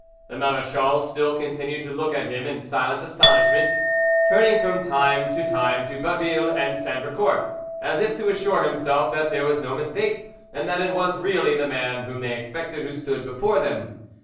The marechal still continued to look at him in silent astonishment, turning from time to time to Baville and Sandricourt, as if to assure himself that there was no mistake and that it was really the man whom they expected who stood before them.